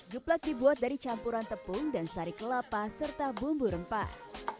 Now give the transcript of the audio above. geplak dibuat dari campuran tepung dan sari kelapa serta bumbu rempah